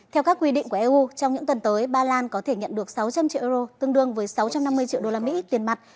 theo các quy định của eu trong những tuần tới ba lan có thể nhận được sáu trăm linh triệu euro tương đương với sáu trăm năm mươi triệu đô la mỹ tiền mặt